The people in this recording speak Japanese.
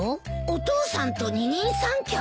お父さんと二人三脚？